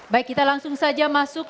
baik kita langsung saja masuk